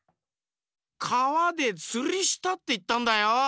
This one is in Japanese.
「かわでつりした」っていったんだよ！